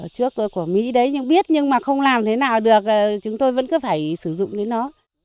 trước của mỹ đấy nhưng biết nhưng mà không làm thế nào được chúng tôi vẫn cứ phải sử dụng đến nó